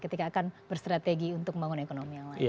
ketika akan berstrategi untuk membangun ekonomi